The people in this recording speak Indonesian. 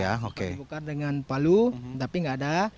ya dibongkar dengan palu tapi enggak ada